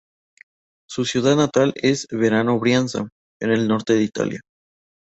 Su ciudad natal es Verano Brianza, en el norte de Italia.